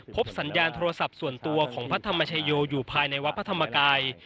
สัญญาณโทรศัพท์ส่วนตัวของพระธรรมชโยอยู่ภายในวัดพระธรรมกาย